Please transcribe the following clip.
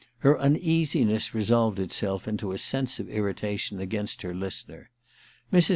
Her uneasiness resolved itself into a sense of irritation against her listener. Mrs.